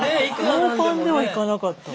ノーパンでは行かなかった。